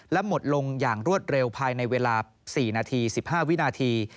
และหมดลงอย่างรวดเร็วภายในเวลา๔นาที๑๕วินาที